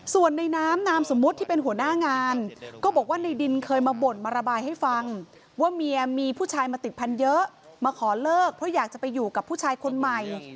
ส่วนในน้ำนามสมมุติที่เป็นหัวหน้างานก็บอกว่าในดินเคยมาบ่นมาระบายให้ฟังว่าเมียมีผู้ชายมาติดพันธุ์เยอะมาขอเลิกเพราะอยากจะไปอยู่กับผู้ชายคนใหม่